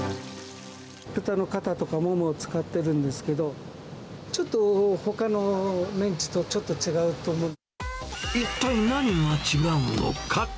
豚のカタとかモモを使ってるんですけど、ちょっと、ほかのメ一体何が違うのか。